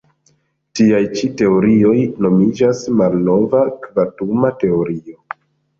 Tiaj ĉi teorioj nomiĝas malnova kvantuma teorio.